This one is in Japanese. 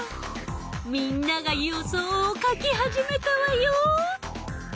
みんなが予想を書き始めたわよ！